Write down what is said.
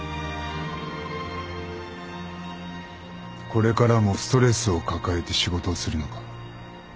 これからもストレスを抱えて仕事をするのか？